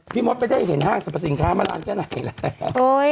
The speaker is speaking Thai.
พี่มทไปได้เห็นห้างสรรพสินค้ามาร้านก็ไหนแล้ว